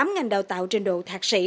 tám ngành đào tạo trình độ thạc sĩ